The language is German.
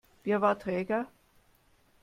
Wer war träger?